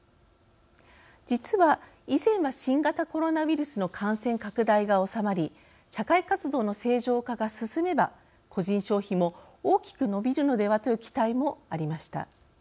実は以前は新型コロナウイルスの感染拡大が収まり社会活動の正常化が進めば個人消費も大きく伸びるのではという期待もありました。